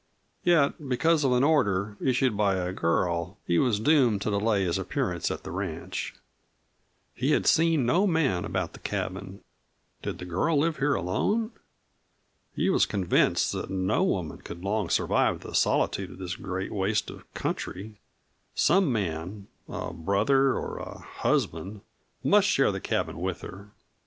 Yet because of an order, issued by a girl, he was doomed to delay his appearance at the ranch. He had seen no man about the cabin. Did the girl live here alone? He was convinced that no woman could long survive the solitude of this great waste of country some man a brother or a husband must share the cabin with her.